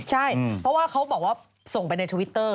ใช่เพราะว่าเขาบอกว่าส่งไปในทวิตเตอร์